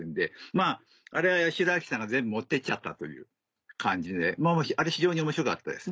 まぁあれは八代亜紀さんが全部持ってっちゃったという感じであれ非常に面白かったです。